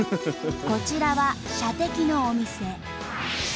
こちらは射的のお店。